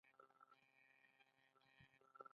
د سیاتیک درد لپاره د هوږې او شیدو ګډول وکاروئ